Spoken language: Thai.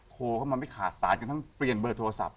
ขอเข้ามาไปขาดซานกันเพิ่งเปลี่ยนเบอร์โทรศัพท์